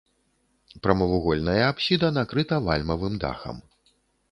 Прамавугольная апсіда накрыта вальмавым дахам.